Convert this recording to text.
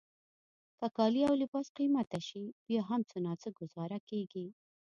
که کالي او لباس قیمته شي بیا هم څه ناڅه ګوزاره کیږي.